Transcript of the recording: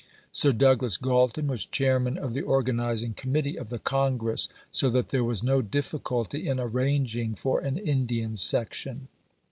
Sir Douglas Galton was Chairman of the Organizing Committee of the Congress, so that there was no difficulty in arranging for an Indian section.